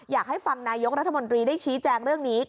อยากให้ฟังนายกรัฐมนตรีได้ชี้แจงเรื่องนี้